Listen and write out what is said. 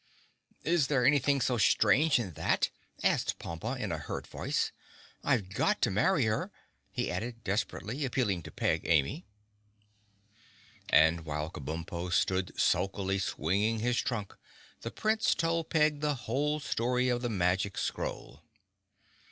"Well, is there anything so strange in that?" asked Pompa in a hurt voice. "I've got to marry her," he added, desperately appealing to Peg Amy. And while Kabumpo stood sulkily swinging his trunk the Prince told Peg the whole story of the magic scroll.